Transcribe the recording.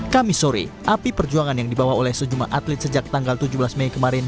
kami sore api perjuangan yang dibawa oleh sejumlah atlet sejak tanggal tujuh belas mei kemarin